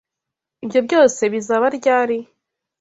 Ibyo byose bizaba ryari?